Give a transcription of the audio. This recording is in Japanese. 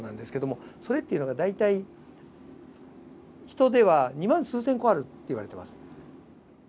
それっていうのが大体ヒトでは二万数千個あるっていわれてます。